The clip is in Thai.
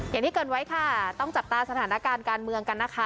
อย่างที่เกินไว้ค่ะต้องจับตาสถานการณ์การเมืองกันนะคะ